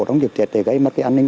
trong dịp tiệt để gây mất an ninh